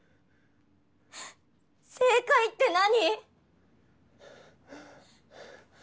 正解って何？